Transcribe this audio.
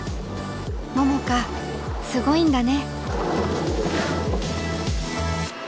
桃佳すごいんだね。